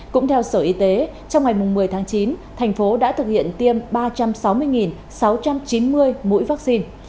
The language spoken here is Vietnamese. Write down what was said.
cũng theo sở y tế trong ngày một mươi tháng chín thành phố đã thực hiện tiêm ba trăm sáu mươi sáu trăm chín mươi mũi vaccine